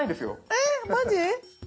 えっマジ？